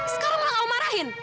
sekarang malah kamu marahin